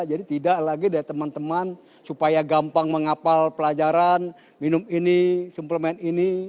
jadi tidak lagi dari teman teman supaya gampang mengapal pelajaran minum ini supplement ini